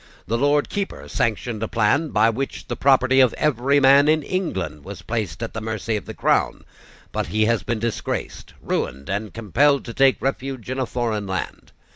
The Lord Keeper sanctioned a plan by which the property of every man in England was placed at the mercy of the Crown; but he has been disgraced, ruined, and compelled to take refuge in a foreign land.